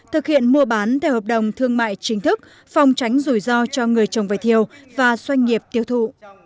thực hiện mua bán theo hợp đồng thương mại chính thức phòng tránh rủi ro cho người trồng vải thiêu và doanh nghiệp tiêu thụ